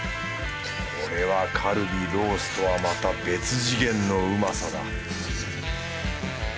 これはカルビロースとはまた別次元のうまさだ